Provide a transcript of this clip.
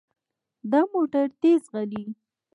دا موټر تیز ځغلي.